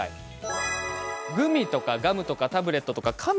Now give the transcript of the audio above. グミやガムとかタブレットなどかむ